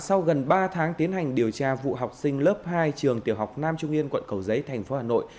sau gần ba tháng tiến hành điều tra vụ học sinh lớp hai trường tiểu học nam trung yên quận cầu giấy thành phố hà nội